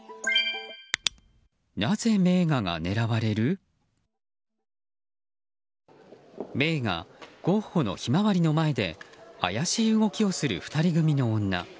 名画ゴッホの「ひまわり」の前で怪しい動きをする２人組の女。